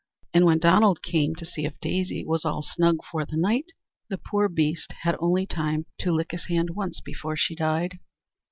And when Donald came to see if Daisy was all snug for the night, the poor beast had only time to lick his hand once before she died.